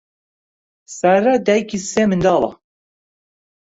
سارا دایکی سێ منداڵە.